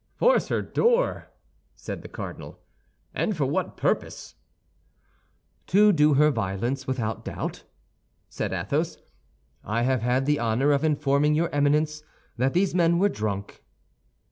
"Force her door!" said the cardinal, "and for what purpose?" "To do her violence, without doubt," said Athos. "I have had the honor of informing your Eminence that these men were drunk."